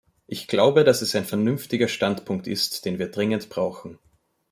Ich glaube, dass es ein vernünftiger Standpunkt ist, den wir dringend brauchen.